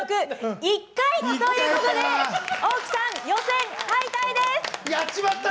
１回ということで大木さん、予選敗退です。